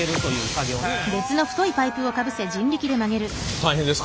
大変ですか？